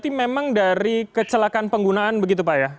jadi memang dari kecelakaan penggunaan begitu pak ya